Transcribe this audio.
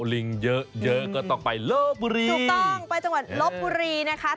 ลิงเยอะเยอะก็ต้องไปลบบุรีถูกต้องไปจังหวัดลบบุรีนะคะ